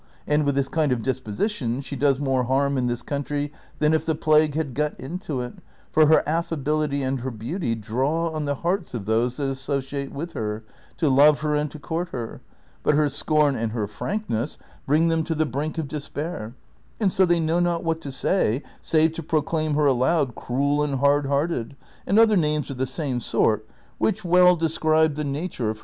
And Avith this kind of disposition she does more harm in this country than if the plague had got into it, for her affability and her beauty draw on the hearts of those that associate with her to love her and to court her, but her scorn and her frankness ^ bring them to the brink of despair ; and so they know not what to say save to proclaim her aloud cruel and hard hearted, and other names of the same sort which well describe the nature '" Frankness "— desengano — more jiroperly " undeceiving," but there is no eqiiivali'nt word in English.